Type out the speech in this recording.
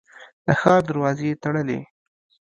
د ښار دروازې یې وتړلې.